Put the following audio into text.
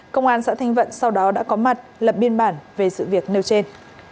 công an xã thanh vận sau đó đã có mặt lập biên bản về sự việc nêu trên